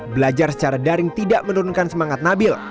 belajar secara daring tidak menurunkan semangat nabil